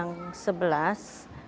saya turunan yang sebelas